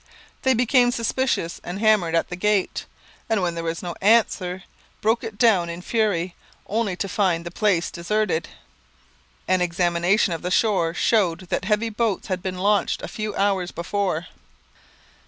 They became suspicious and hammered at the gate; and, when there was no answer, broke it down in fury, only to find the place deserted. An examination of the shore showed that heavy boats had been launched a few hours before.